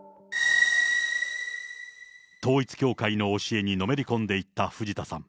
統一教会の教えにのめり込んでいった藤田さん。